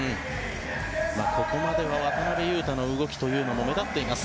ここまでは渡邊雄太の動きというのも目立っています。